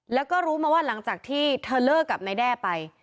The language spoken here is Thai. แล้วก็รู้มาว่าหลังจากที่เธอเลิกกับนายแด้ไป